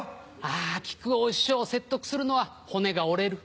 あ木久扇師匠を説得するのは骨が折れる。